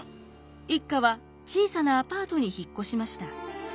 一家は小さなアパートに引っ越しました。